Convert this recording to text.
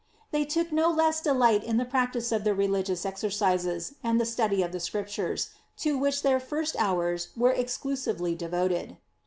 They took no less delight in the practice of their leligious exercises and the study of the Scriptures, to which their first hours were exclusively devoted.